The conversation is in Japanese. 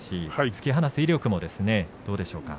突き放す威力もどうでしょうか。